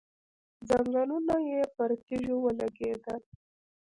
ځنګنونه یې پر تيږو ولګېدل.